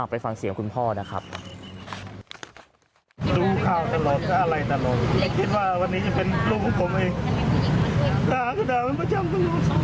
ไปฟังเสียงคุณพ่อนะครับ